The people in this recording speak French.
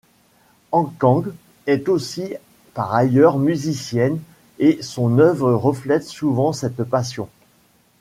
Han Kang est aussi par ailleurs musicienne et son œuvre reflète souvent cette passion.